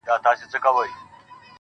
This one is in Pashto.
د بې جوړې زړه سپين دی لکه ستا اننگي~